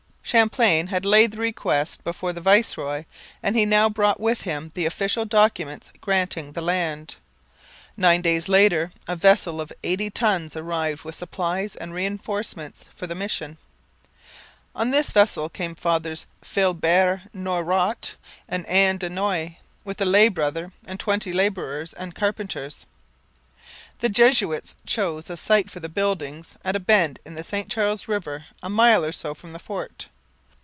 Champlain had laid the request before the viceroy and he now brought with him the official documents granting the land. Nine days later a vessel of eighty tons arrived with supplies and reinforcements for the mission. On this vessel came Fathers Philibert Noyrot and Anne de Noue, with a lay brother and twenty labourers and carpenters. The Jesuits chose a site for the buildings at a bend in the St Charles river a mile or so from the fort.